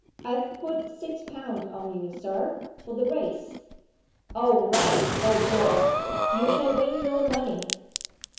"I've put six pound on you, Sir, for the Race." "All right, old boy! you shall win your money!"